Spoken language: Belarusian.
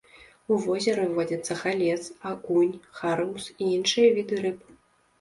У возеры водзяцца галец, акунь, харыус і іншыя віды рыб.